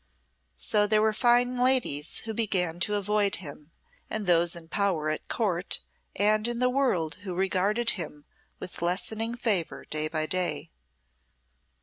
So there were fine ladies who began to avoid him, and those in power at Court and in the world who regarded him with lessening favour day by day!